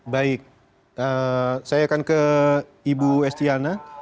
baik saya akan ke ibu estiana